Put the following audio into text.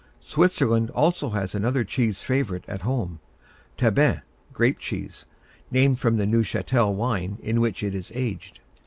Switzerland also has another cheese favorite at home Trauben (grape cheese), named from the Neuchâtel wine in which it is aged.